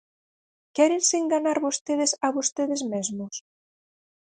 ¿Quérense enganar vostedes a vostedes mesmos?